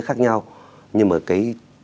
khác nhau nhưng mà cái